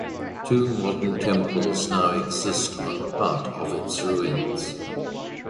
Two modern temples now exist on part of its ruins.